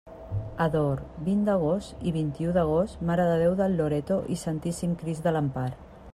Ador: vint d'agost i vint-i-u d'agost, Mare de Déu del Loreto i Santíssim Crist de l'Empar.